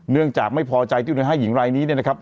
เนื่องจากไม่พอใจติ้นหน้าหญิงไร้นี้นะครับ